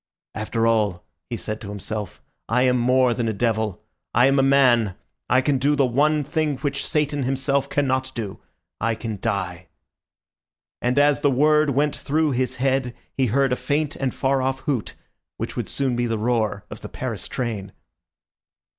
"After all," he said to himself, "I am more than a devil; I am a man. I can do the one thing which Satan himself cannot do—I can die," and as the word went through his head, he heard a faint and far off hoot, which would soon be the roar of the Paris train.